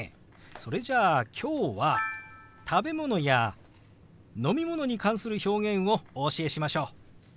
それじゃあ今日は食べ物や飲み物に関する表現をお教えしましょう！